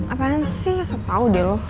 apaan sih gak usah tau deh lo